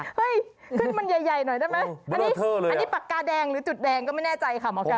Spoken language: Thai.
ขึ้นมันใหญ่หน่อยได้ไหมอันนี้ปากกาแดงหรือจุดแดงก็ไม่แน่ใจค่ะหมอไก่